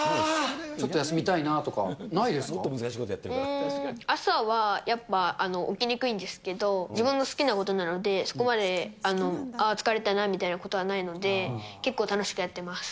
ちょっと休みうーん、朝はやっぱ起きにくいんですけれども、自分の好きなことなので、そこまで、ああ疲れたなみたいなことはないので、結構、楽しくやってます。